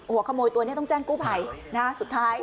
หัวขโมยตัวนี้ต้องแจ้งกู้ภัยนะฮะสุดท้าย